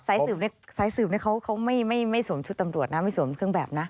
สายสืบเขาไม่สวมชุดตำรวจนะไม่สวมเครื่องแบบนะ